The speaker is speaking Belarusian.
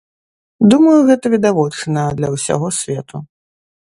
Думаю, гэта відавочна для ўсяго свету.